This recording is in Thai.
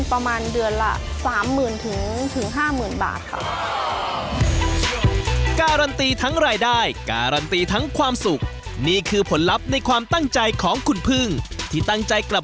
เราจะมีรายได้เพิ่มขึ้นประมาณเดือนละ